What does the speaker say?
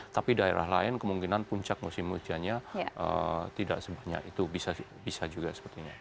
tapi daerah lain kemungkinan puncak musim hujannya tidak sebanyak itu bisa juga sepertinya